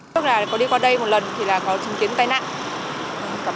lúc này có đi qua đây một lần thì là có chứng kiến tai nạn